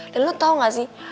dan lo tau gak sih